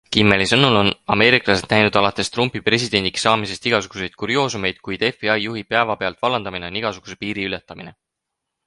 Kimmeli sõnul on ameeriklased näinud alates Trumpi presidendiks saamisest igasuguseid kurioosumeid, kuid FBI juhi päeavpealt vallandamine on igasuguse piiri ületamine.